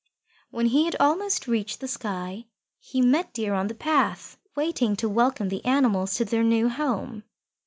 When he had almost reached the sky, he met Deer on the path waiting to welcome the animals to their new home.